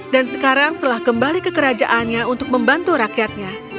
dan sekarang telah kembali ke kerajaannya untuk membantu rakyatnya